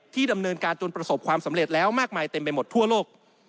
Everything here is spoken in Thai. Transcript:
ดำเนินการจนประสบความสำเร็จแล้วมากมายเต็มไปหมดทั่วโลก